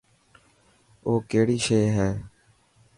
او ڪهڙي شي هي.